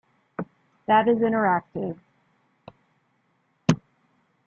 That is interactive.